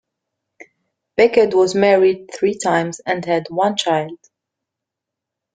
Beckett was married three times and had one child.